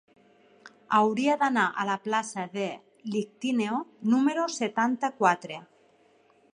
Hauria d'anar a la plaça de l'Ictíneo número setanta-quatre.